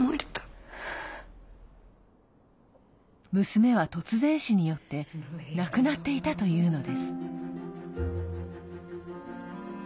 娘は突然死によって亡くなっていたというのです。